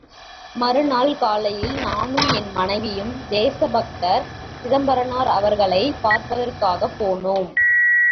மறுநாள் காலையில் நானும் என் மனைவியும் தேச பக்தர் சிதம்பரனார் அவர்களைப் பார்ப்பதற்காகப் போனோம்.